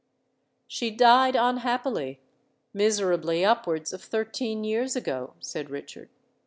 "She died unhappily,—miserably upwards of thirteen years ago," said Richard.